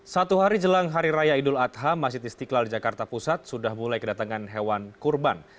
satu hari jelang hari raya idul adha masjid istiqlal jakarta pusat sudah mulai kedatangan hewan kurban